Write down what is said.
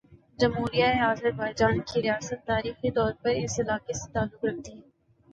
جمہوریہ آذربائیجان کی ریاست تاریخی طور پر اس علاقے سے تعلق رکھتی ہے